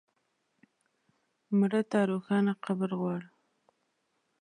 مړه ته روښانه قبر غواړو